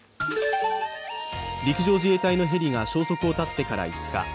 陸上自衛隊のヘリが消息を絶ってから５日。